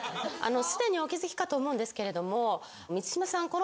すでにお気付きかと思うんですけれども満島さん